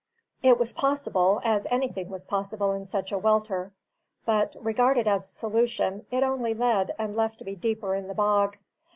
It was possible, as anything was possible in such a welter; but, regarded as a solution, it only led and left me deeper in the bog.